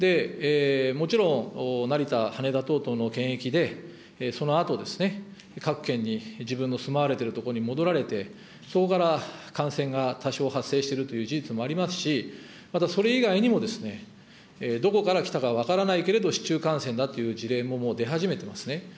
もちろん成田、羽田等々の検疫で、そのあと各県に自分の住まわれている所に戻られて、そこから感染が多少、発生しているという事実もありますし、またそれ以外にも、どこから来たか分からないけれども、市中感染だという事例も、もう出始めていますね。